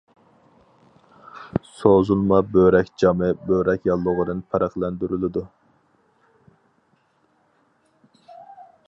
سوزۇلما بۆرەك جامى بۆرەك ياللۇغىدىن پەرقلەندۈرۈلىدۇ.